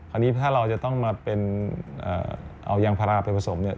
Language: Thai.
อันนี้ถ้าเราจะต้องมาเป็นเอายางพาราไปผสมเนี่ย